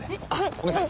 ごめんなさい。